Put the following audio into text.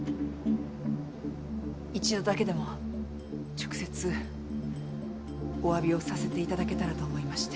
１度だけでも直接おわびをさせていただけたらと思いまして。